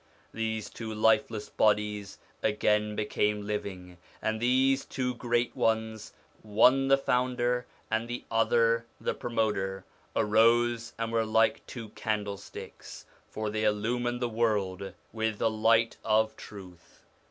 These two lifeless bodies again became living, and these two great ones one the founder and the other the promoter arose, and were like two candlesticks, for they illumined the world with the light of truth.